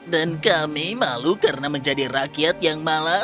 dan kami malu karena menjadi rakyat yang malu